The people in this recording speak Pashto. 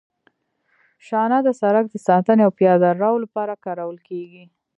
شانه د سرک د ساتنې او پیاده رو لپاره کارول کیږي